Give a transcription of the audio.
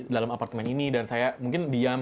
dalam apartemen ini dan saya mungkin diam